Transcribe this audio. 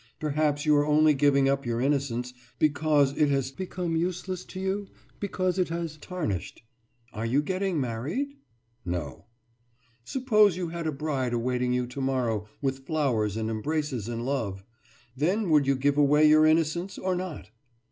Perhaps you are only giving up your innocence because it has become useless to you, because it has tarnished. Are you getting married?« »No.« »Supposing you had a bride awaiting you tomorrow with flowers and embraces and love, then would you give away your innocence, or not?